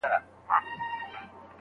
په لامبو کي یې ځان نه وو آزمېیلی